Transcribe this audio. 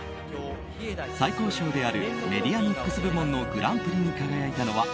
最高賞であるメディアミックス部門のグランプリに輝いたのは